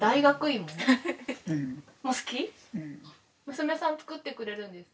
娘さん作ってくれるんです？